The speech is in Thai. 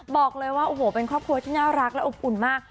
บอกเลยว่าโอ้โหเป็นครอบครัวที่น่ารักและอบอุ่นมาก